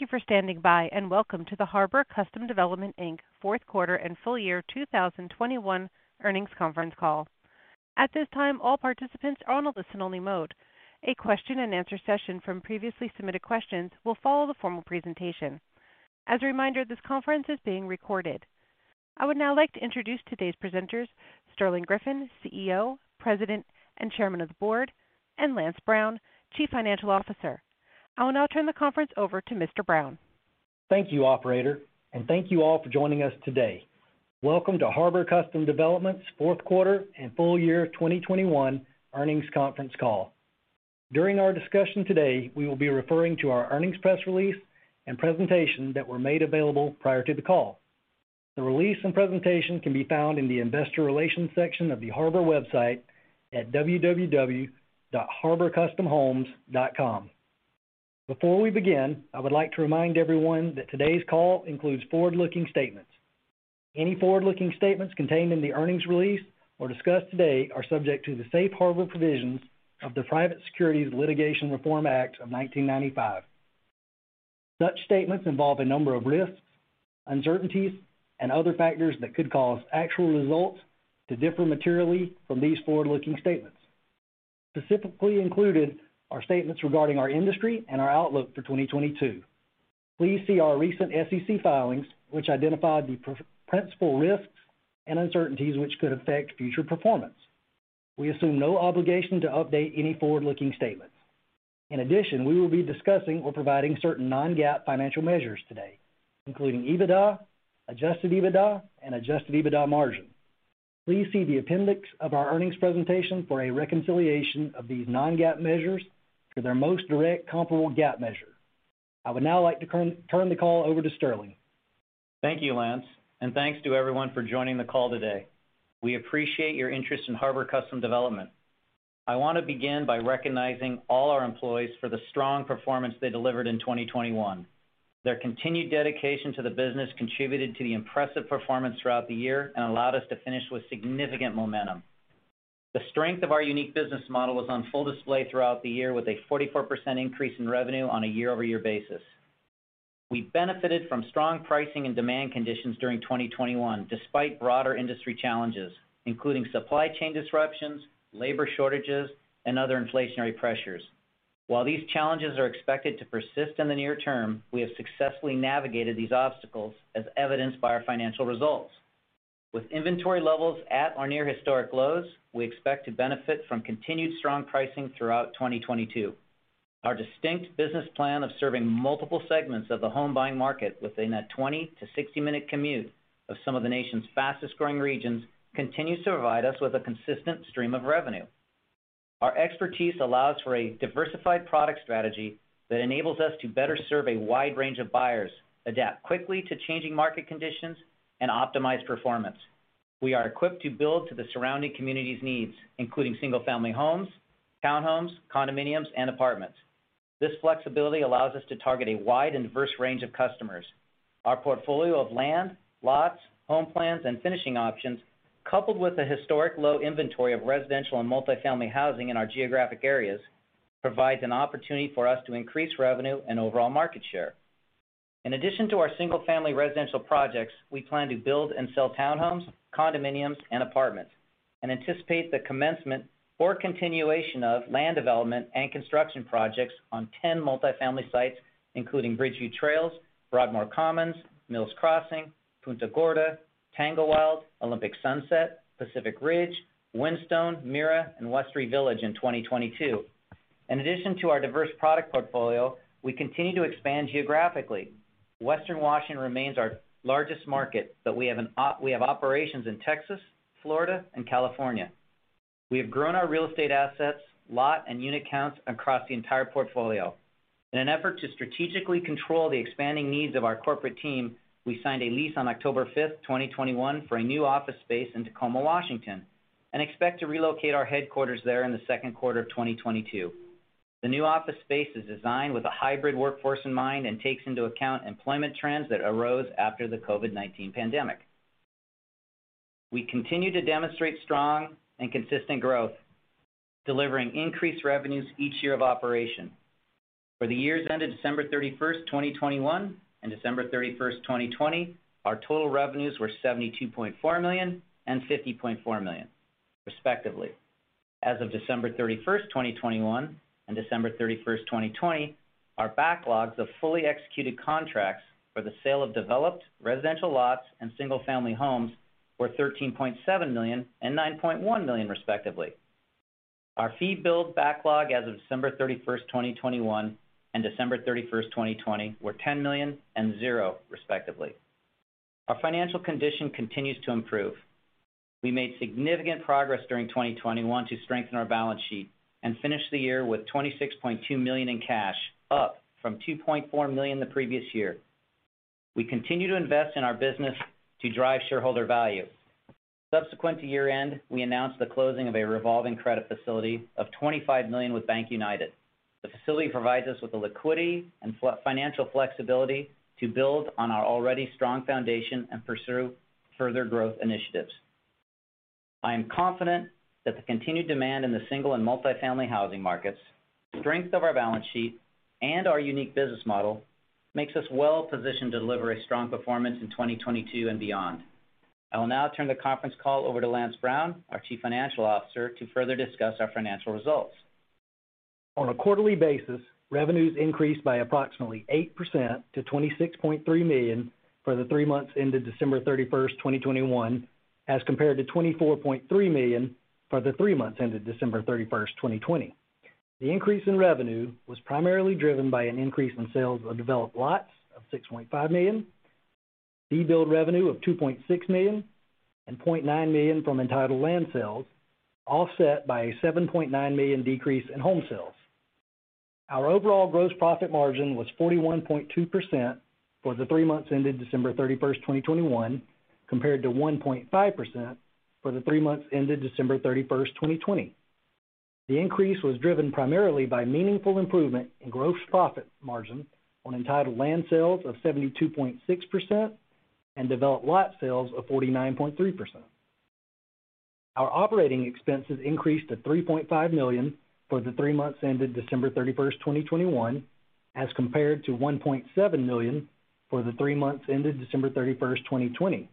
Thank you for standing by, and welcome to the Harbor Custom Development, Inc. fourth quarter and full year 2021 earnings conference call. At this time, all participants are on a listen-only mode. A question-and-answer session from previously submitted questions will follow the formal presentation. As a reminder, this conference is being recorded. I would now like to introduce today's presenters, Sterling Griffin, CEO, President, and Chairman of the Board, and Lance Brown, Chief Financial Officer. I will now turn the conference over to Mr. Brown. Thank you, operator, and thank you all for joining us today. Welcome to Harbor Custom Development fourth quarter and full year 2021 earnings conference call. During our discussion today, we will be referring to our earnings press release and presentation that were made available prior to the call. The release and presentation can be found in the investor relations section of the Harbor website at www.harborcustomhomes.com. Before we begin, I would like to remind everyone that today's call includes forward-looking statements. Any forward-looking statements contained in the earnings release or discussed today are subject to the safe harbor provisions of the Private Securities Litigation Reform Act of 1995. Such statements involve a number of risks, uncertainties, and other factors that could cause actual results to differ materially from these forward-looking statements. Specifically included are statements regarding our industry and our outlook for 2022. Please see our recent SEC filings, which identify the principal risks and uncertainties which could affect future performance. We assume no obligation to update any forward-looking statements. In addition, we will be discussing or providing certain non-GAAP financial measures today, including EBITDA, adjusted EBITDA, and adjusted EBITDA margin. Please see the appendix of our earnings presentation for a reconciliation of these non-GAAP measures to their most direct comparable GAAP measure. I would now like to turn the call over to Sterling. Thank you, Lance, and thanks to everyone for joining the call today. We appreciate your interest in Harbor Custom Development. I want to begin by recognizing all our employees for the strong performance they delivered in 2021. Their continued dedication to the business contributed to the impressive performance throughout the year and allowed us to finish with significant momentum. The strength of our unique business model was on full display throughout the year, with a 44% increase in revenue on a year-over-year basis. We benefited from strong pricing and demand conditions during 2021, despite broader industry challenges, including supply chain disruptions, labor shortages, and other inflationary pressures. While these challenges are expected to persist in the near term, we have successfully navigated these obstacles, as evidenced by our financial results. With inventory levels at or near historic lows, we expect to benefit from continued strong pricing throughout 2022. Our distinct business plan of serving multiple segments of the home buying market within a 20 to 60-minute commute of some of the nation's fastest-growing regions continues to provide us with a consistent stream of revenue. Our expertise allows for a diversified product strategy that enables us to better serve a wide range of buyers, adapt quickly to changing market conditions, and optimize performance. We are equipped to build to the surrounding community's needs, including single-family homes, townhomes, condominiums, and apartments. This flexibility allows us to target a wide and diverse range of customers. Our portfolio of land, lots, home plans, and finishing options, coupled with the historic low inventory of residential and multifamily housing in our geographic areas, provides an opportunity for us to increase revenue and overall market share. In addition to our single-family residential projects, we plan to build and sell townhomes, condominiums, and apartments and anticipate the commencement or continuation of land development and construction projects on 10 multifamily sites, including Bridgeview Trails, Broadmoor Commons, Mills Crossing, Punta Gorda, Tanglewilde, Olympic Sunset, Pacific Ridge, Wyndstone, Mira, and Westry Village in 2022. In addition to our diverse product portfolio, we continue to expand geographically. Western Washington remains our largest market, but we have operations in Texas, Florida, and California. We have grown our real estate assets, lot, and unit counts across the entire portfolio. In an effort to strategically control the expanding needs of our corporate team, we signed a lease on October 5th, 2021 for a new office space in Tacoma, Washington, and expect to relocate our headquarters there in the second quarter of 2022. The new office space is designed with a hybrid workforce in mind and takes into account employment trends that arose after the COVID-19 pandemic. We continue to demonstrate strong and consistent growth, delivering increased revenues each year of operation. For the years ended December 31st, 2021 and December 31st, 2020, our total revenues were $72.4 million and $50.4 million respectively. As of December 31st, 2021 and December 31st, 2020, our backlogs of fully executed contracts for the sale of developed residential lots and single-family homes were $13.7 million and $9.1 million respectively. Our fee build backlog as of December 31st, 2021 and December 31st, 2020 were $10 million and $0 respectively. Our financial condition continues to improve. We made significant progress during 2021 to strengthen our balance sheet and finish the year with $26.2 million in cash, up from $2.4 million the previous year. We continue to invest in our business to drive shareholder value. Subsequent to year-end, we announced the closing of a revolving credit facility of $25 million with BankUnited. The facility provides us with the liquidity and financial flexibility to build on our already strong foundation and pursue further growth initiatives. I am confident that the continued demand in the single-family and multifamily housing markets, strength of our balance sheet, and our unique business model makes us well positioned to deliver a strong performance in 2022 and beyond. I will now turn the conference call over to Lance Brown, our Chief Financial Officer, to further discuss our financial results. On a quarterly basis, revenues increased by approximately 8% to $26.3 million for the three months ended December 31st, 2021, as compared to $24.3 million for the three months ended December 31st, 2020. The increase in revenue was primarily driven by an increase in sales of developed lots of $6.5 million, fee build revenue of $2.6 million, and $0.9 million from entitled land sales, offset by a $7.9 million decrease in home sales. Our overall gross profit margin was 41.2% for the three months ended December 31st, 2021, compared to 1.5% for the three months ended December 31st, 2020. The increase was driven primarily by meaningful improvement in gross profit margin on entitled land sales of 72.6% and developed lot sales of 49.3%. Our operating expenses increased to $3.5 million for the three months ended December 31st, 2021, as compared to $1.7 million for the three months ended December 31st, 2020.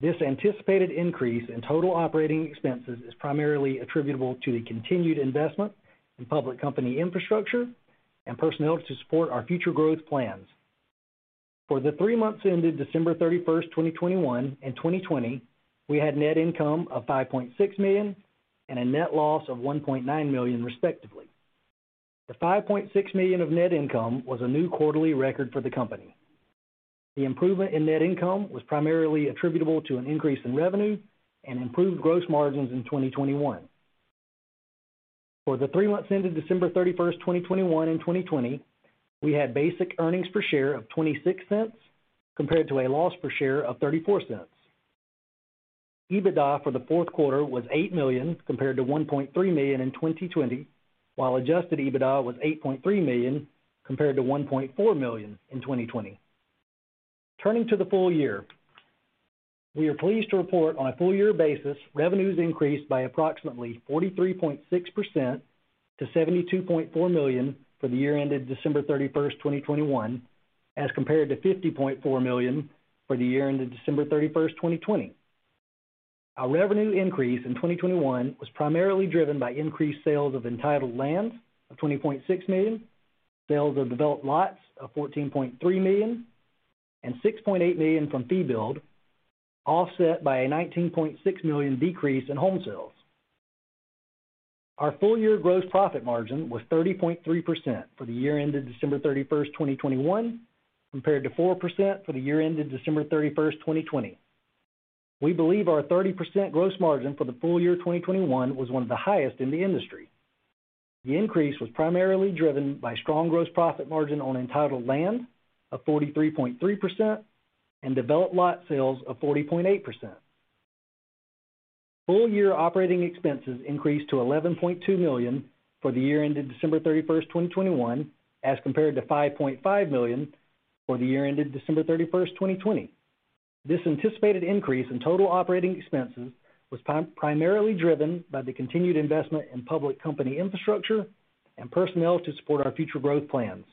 This anticipated increase in total operating expenses is primarily attributable to the continued investment in public company infrastructure and personnel to support our future growth plans. For the three months ended December 31st, 2021 and 2020, we had net income of $5.6 million and a net loss of $1.9 million, respectively. The $5.6 million of net income was a new quarterly record for the company. The improvement in net income was primarily attributable to an increase in revenue and improved gross margins in 2021. For the three months ended December 31st, 2021 and 2020, we had basic earnings per share of $0.26 compared to a loss per share of $0.34. EBITDA for the fourth quarter was $8 million compared to $1.3 million in 2020, while adjusted EBITDA was $8.3 million compared to $1.4 million in 2020. Turning to the full year, we are pleased to report on a full year basis, revenues increased by approximately 43.6% to $72.4 million for the year ended December 31st, 2021, as compared to $50.4 million for the year ended December 31st, 2020. Our revenue increase in 2021 was primarily driven by increased sales of entitled lands of $20.6 million, sales of developed lots of $14.3 million, and $6.8 million from fee build, offset by a $19.6 million decrease in home sales. Our full year gross profit margin was 30.3% for the year ended December 31st, 2021, compared to 4% for the year ended December 31st, 2020. We believe our 30% gross margin for the full year 2021 was one of the highest in the industry. The increase was primarily driven by strong gross profit margin on entitled land of 43.3% and developed lot sales of 40.8%. Full year operating expenses increased to $11.2 million for the year ended December 31st, 2021, as compared to $5.5 million for the year ended December 31st, 2020. This anticipated increase in total operating expenses was timely, primarily driven by the continued investment in public company infrastructure and personnel to support our future growth plans.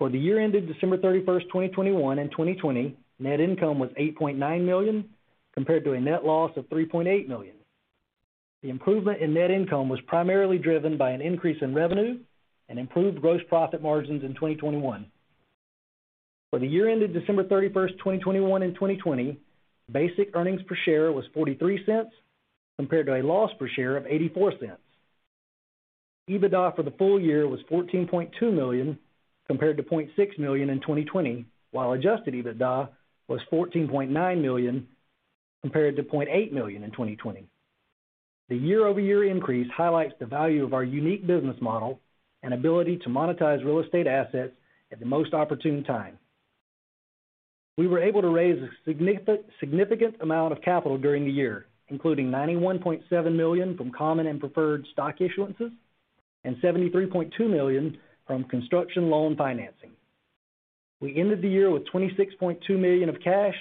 For the year ended December 31st, 2021 and 2020, net income was $8.9 million compared to a net loss of $3.8 million. The improvement in net income was primarily driven by an increase in revenue and improved gross profit margins in 2021. For the year ended December 31st, 2021 and 2020, basic earnings per share was $0.43 compared to a loss per share of $0.84. EBITDA for the full year was $14.2 million compared to $0.6 million in 2020, while adjusted EBITDA was $14.9 million compared to $0.8 million in 2020. The year-over-year increase highlights the value of our unique business model and ability to monetize real estate assets at the most opportune time. We were able to raise a significant amount of capital during the year, including $91.7 million from common and preferred stock issuances and $73.2 million from construction loan financing. We ended the year with $26.2 million of cash,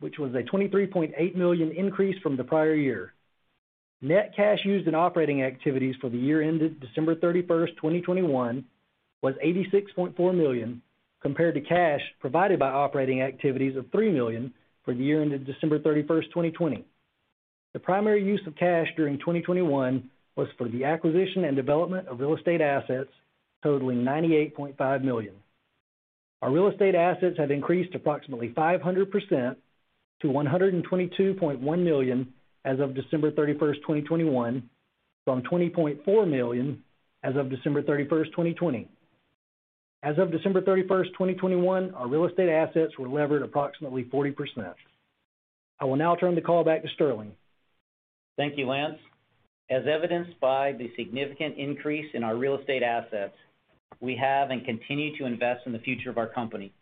which was a $23.8 million increase from the prior year. Net cash used in operating activities for the year ended December 31st, 2021 was $86.4 million, compared to cash provided by operating activities of $3 million for the year ended December 31st, 2020. The primary use of cash during 2021 was for the acquisition and development of real estate assets totaling $98.5 million. Our real estate assets have increased approximately 500% to $122.1 million as of December 31st, 2021, from $20.4 million as of December 31st, 2020. As of December 31st, 2021, our real estate assets were levered approximately 40%. I will now turn the call back to Sterling. Thank you, Lance. As evidenced by the significant increase in our real estate assets, we have and continue to invest in the future of our company.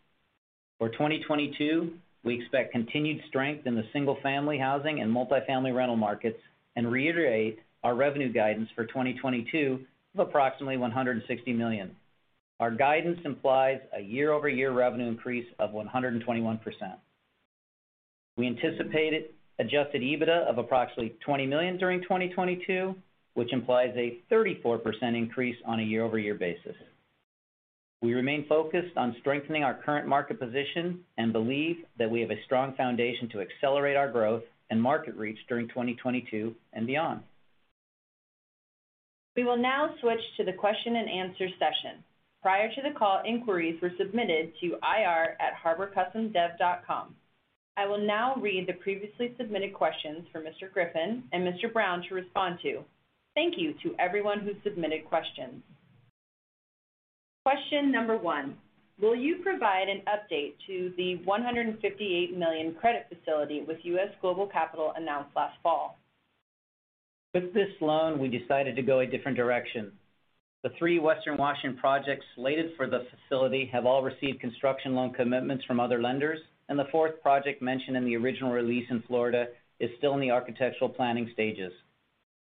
For 2022, we expect continued strength in the single family housing and multi-family rental markets and reiterate our revenue guidance for 2022 of approximately $160 million. Our guidance implies a year-over-year revenue increase of 121%. We anticipated adjusted EBITDA of approximately $20 million during 2022, which implies a 34% increase on a year-over-year basis. We remain focused on strengthening our current market position and believe that we have a strong foundation to accelerate our growth and market reach during 2022 and beyond. We will now switch to the question-and-answer session. Prior to the call, inquiries were submitted to ir@harborcustomdev.com. I will now read the previously submitted questions for Mr. Griffin and Mr. Brown to respond to. Thank you to everyone who submitted questions. Question number one: Will you provide an update to the $158 million credit facility with US Global Capital announced last fall? With this loan, we decided to go a different direction. The three Western Washington projects slated for the facility have all received construction loan commitments from other lenders, and the fourth project mentioned in the original release in Florida is still in the architectural planning stages.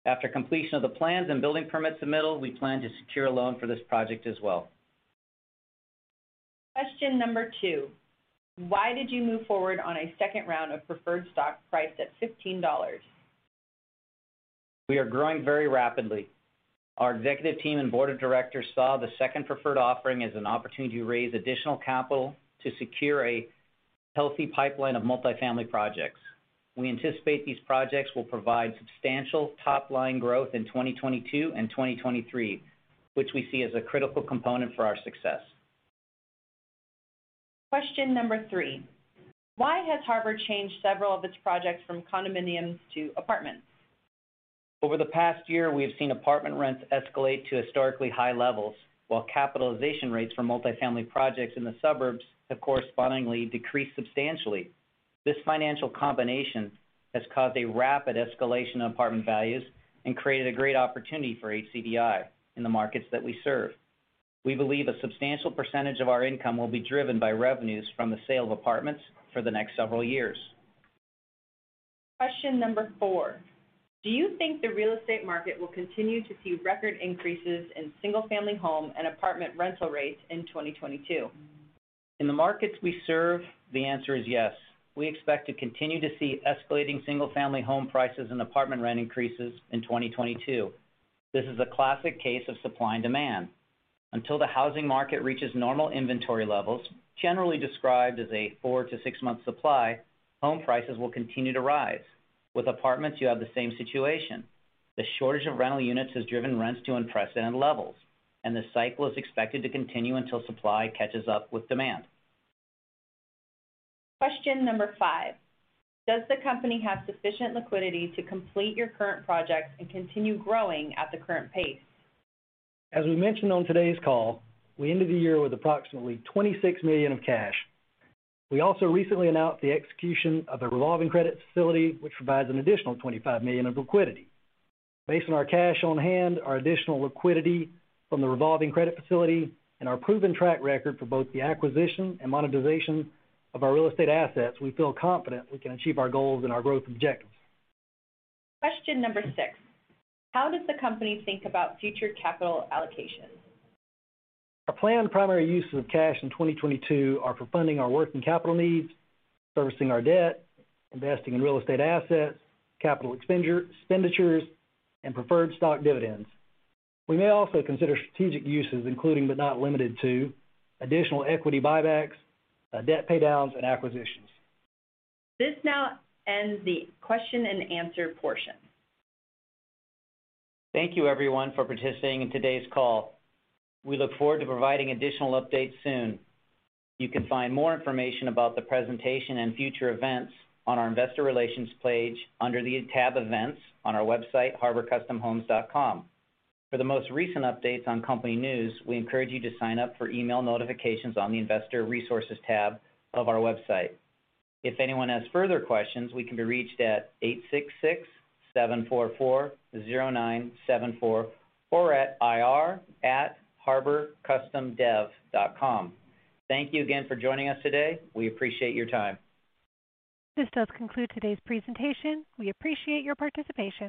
After completion of the plans and building permits submittal, we plan to secure a loan for this project as well. Question number two: Why did you move forward on a second round of preferred stock priced at $15? We are growing very rapidly. Our executive team and board of directors saw the second preferred offering as an opportunity to raise additional capital to secure a healthy pipeline of multifamily projects. We anticipate these projects will provide substantial top-line growth in 2022 and 2023, which we see as a critical component for our success. Question number three: Why has Harbor changed several of its projects from condominiums to apartments? Over the past year, we have seen apartment rents escalate to historically high levels, while capitalization rates for multifamily projects in the suburbs have correspondingly decreased substantially. This financial combination has caused a rapid escalation of apartment values and created a great opportunity for HCDI in the markets that we serve. We believe a substantial percentage of our income will be driven by revenues from the sale of apartments for the next several years. Question number 4: Do you think the real estate market will continue to see record increases in single-family home and apartment rental rates in 2022? In the markets we serve, the answer is yes. We expect to continue to see escalating single-family home prices and apartment rent increases in 2022. This is a classic case of supply and demand. Until the housing market reaches normal inventory levels, generally described as a four to six-month supply, home prices will continue to rise. With apartments, you have the same situation. The shortage of rental units has driven rents to unprecedented levels, and the cycle is expected to continue until supply catches up with demand. Question number five: Does the company have sufficient liquidity to complete your current projects and continue growing at the current pace? As we mentioned on today's call, we ended the year with approximately $26 million of cash. We also recently announced the execution of a revolving credit facility which provides an additional $25 million of liquidity. Based on our cash on hand, our additional liquidity from the revolving credit facility, and our proven track record for both the acquisition and monetization of our real estate assets, we feel confident we can achieve our goals and our growth objectives. Question number six: How does the company think about future capital allocations? Our planned primary uses of cash in 2022 are for funding our working capital needs, servicing our debt, investing in real estate assets, capital expenditures, and preferred stock dividends. We may also consider strategic uses, including but not limited to additional equity buybacks, debt paydowns, and acquisitions. This now ends the question-and-answer portion. Thank you everyone for participating in today's call. We look forward to providing additional updates soon. You can find more information about the presentation and future events on our investor relations page under the tab Events on our website, harborcustomhomes.com. For the most recent updates on company news, we encourage you to sign up for email notifications on the Investor Resources tab of our website. If anyone has further questions, we can be reached at 866-744-0974 or at ir@harborcustomdev.com. Thank you again for joining us today. We appreciate your time. This does conclude today's presentation. We appreciate your participation.